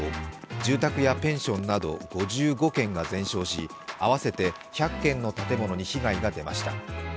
住宅やペンションなど５５軒が全焼し、合わせて１００軒の建物に被害が出ました。